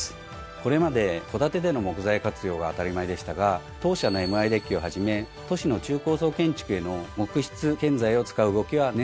これまで戸建てでの木材活用が当たり前でしたが当社の「ＭＩデッキ」をはじめ都市の中高層建築への木質建材を使う動きは年々高まっています。